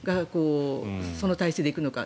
その体制で行くのか。